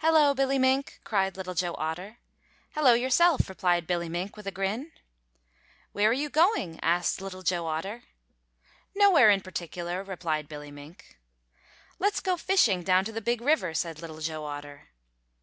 "Hello, Billy Mink," cried Little Joe Otter. "Hello yourself," replied Billy Mink, with a grin. "Where are you going?" asked Little Joe Otter. "Nowhere in particular," replied Billy Mink. "Let's go fishing down to the Big River," said Little Joe Otter.